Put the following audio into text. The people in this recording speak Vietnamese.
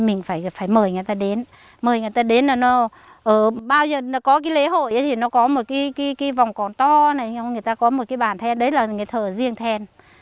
mời người ta đến mời người ta đến là nó ở bao giờ nó có cái lễ hội thì nó có một cái vòng cỏ to này người ta có một cái bàn then đấy là người thờ riêng then